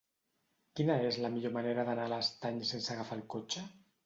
Quina és la millor manera d'anar a l'Estany sense agafar el cotxe?